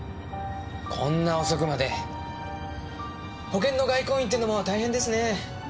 こんな遅くまで保険の外交員ってのも大変ですねぇ。